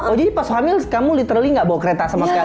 oh jadi pas hamil kamu literally gak bawa kereta sama sekali